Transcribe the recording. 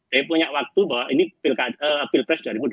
jadi punya waktu bahwa ini pilpres dua ribu dua puluh empat